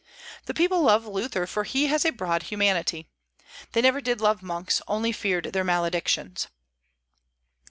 The people love Luther, for he has a broad humanity. They never did love monks, only feared their maledictions.